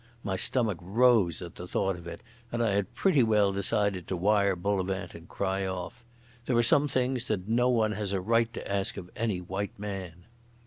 My stomach rose at the thought of it, and I had pretty well decided to wire to Bullivant and cry off. There are some things that no one has a right to ask of any white man.